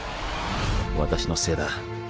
私のせいだ。